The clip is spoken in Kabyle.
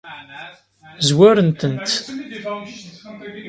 Zwarent-tent?